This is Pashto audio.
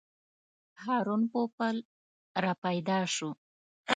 هارون پوپل راپیدا شو.